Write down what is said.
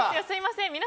すみません